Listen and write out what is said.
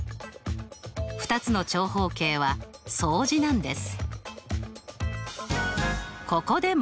２つの長方形は相似なんです。